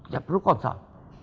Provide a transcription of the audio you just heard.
ya perlu konsul